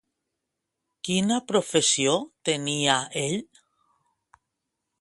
Quina professió tenia ell?